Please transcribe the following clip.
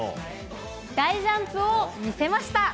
大ジャンプを見せました。